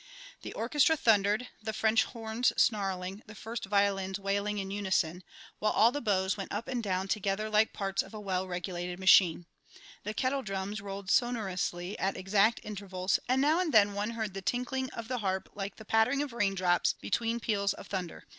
The orchestra thundered; the French horns snarling, the first violins wailing in unison, while all the bows went up and down together like parts of a well regulated machine; the kettle drums rolled sonorously at exact intervals, and now and then one heard the tinkling of the harp like the pattering of raindrops between peals of thunder.